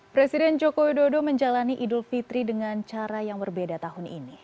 presiden joko widodo menjalani idul fitri dengan cara yang berbeda tahun ini